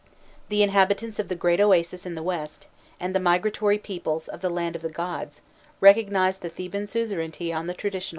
The inhabitants of the Great Oasis in the west, and the migratory peoples of the Land of the Gods, recognized the Theban suzerainty on the traditional terms.